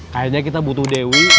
kayaknya kita butuh dewi